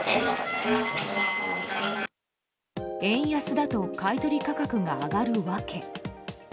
円安だと買い取り価格が上がる訳。